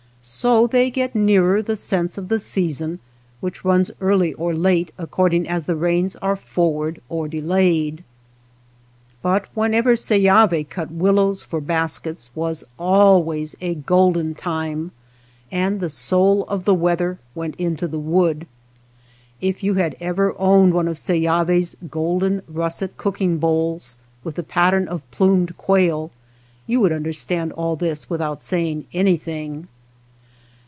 So they get nearer the sense of the season, which runs early or late according as the 170 THE BASKET MAKER rains are forward or delayed. But when ever Seyavi cut willows for baskets was al ways a golden time, and the soul of the weather went into the wood. If you had ever owned one of Seyavi's golden russet cooking bowls with the pattern of plumed quail, you would understand all this with out saying anything.